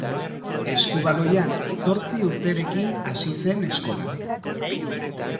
Eskubaloian zortzi urterekin hasi zen eskolan.